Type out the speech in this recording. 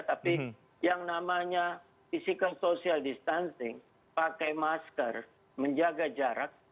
tapi yang namanya physical social distancing pakai masker menjaga jarak